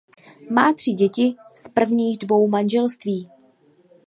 Má tři děti z prvních dvou manželství.